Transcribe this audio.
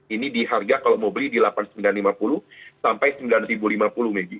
ini di harga kalau mau beli di rp delapan sembilan ratus lima puluh rp sembilan lima puluh meji